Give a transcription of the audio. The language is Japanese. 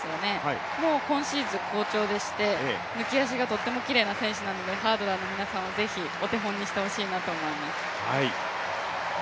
もう今シーズン好調でして抜き足がとてもきれいな選手なのでハードラーの皆さんは是非、お手本にしてほしいなと思います。